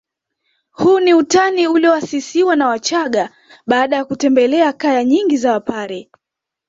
Huu ni utani ulioasisiwa na wachagga baada ya kutembelea kaya nyingi za wapare